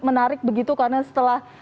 menarik begitu karena setelah